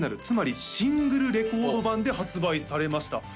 つまりシングルレコード盤で発売されました